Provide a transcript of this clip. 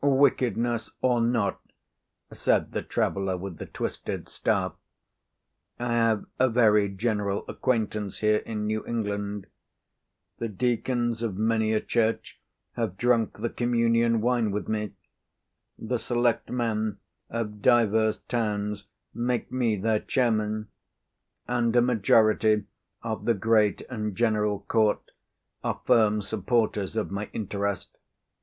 "Wickedness or not," said the traveller with the twisted staff, "I have a very general acquaintance here in New England. The deacons of many a church have drunk the communion wine with me; the selectmen of divers towns make me their chairman; and a majority of the Great and General Court are firm supporters of my interest.